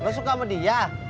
lu suka sama dia